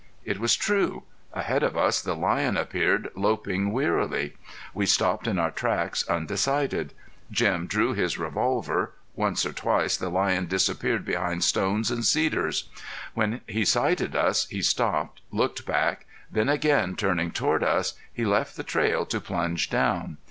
It was true. Ahead of us the lion appeared, loping wearily. We stopped in our tracks undecided. Jim drew his revolver. Once or twice the lion disappeared behind stones and cedars. When he sighted us he stopped, looked back, then again turning toward us, he left the trail to plunge down.